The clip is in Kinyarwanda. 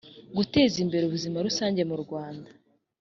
guteza imbere ubuzima rusange mu rwanda